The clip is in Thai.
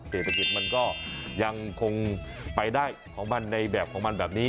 เศรษฐกิจมันก็ยังคงไปได้ของมันในแบบของมันแบบนี้